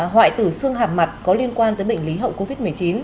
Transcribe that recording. hoại tử xương hàm mặt có liên quan tới bệnh lý hậu covid một mươi chín